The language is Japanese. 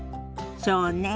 そうね。